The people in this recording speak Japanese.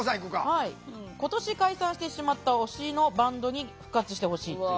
「今年解散してしまった推しのバンドに復活してほしい」。